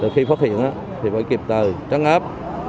khi phát hiện thì phải kịp tờ chắc ngáp